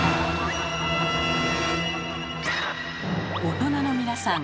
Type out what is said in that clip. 大人の皆さん。